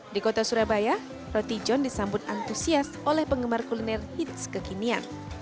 di kota surabaya roti john disambut antusias oleh penggemar kuliner hits kekinian